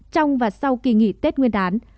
trong và sau kỳ nghỉ tết nguyên đán